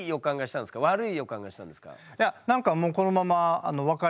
悪い予感がしたんですか？